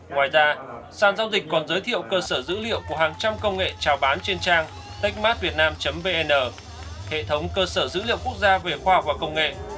ngoài ra sản giao dịch còn giới thiệu cơ sở dữ liệu của hàng trăm công nghệ trào bán trên trang techmartvietnam vn hệ thống cơ sở dữ liệu quốc gia về khoa học và công nghệ